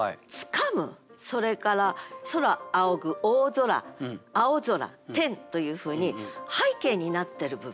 それから「空仰ぐ」「大空」「青空」「天」というふうに背景になってる部分。